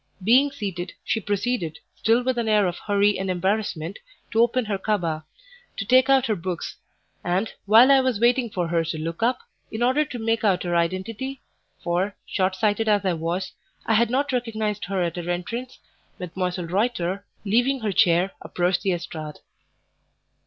Being seated, she proceeded, still with an air of hurry and embarrassment, to open her cabas, to take out her books; and, while I was waiting for her to look up, in order to make out her identity for, shortsighted as I was, I had not recognized her at her entrance Mdlle. Reuter, leaving her chair, approached the estrade.